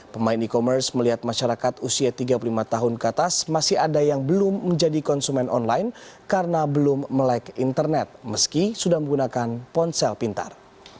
pemain e commerce melihat masyarakat usia tiga puluh lima tahun ke atas masih ada yang belum menjadi konsumen online karena belum melek internet meski sudah menggunakan ponsel pintar